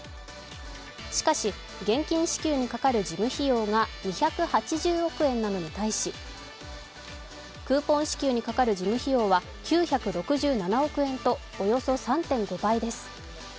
しかし、現金支給にかかる事務費用が２８０億円なのに対しクーポン支給にかかる事務費用は９６７億円とおよそ３．５倍です。